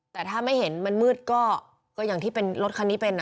แต่ถ้าไม่เห็นมันมืดก็อย่างที่เป็นรถคันนี้เป็น